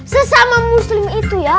sesama muslim itu ya